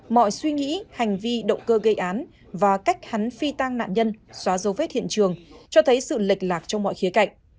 mọi suy nghĩ hành vi động cơ gây án và cách hắn phi tang nạn nhân xóa dấu vết hiện trường cho thấy sự lệch lạc trong mọi khía cạnh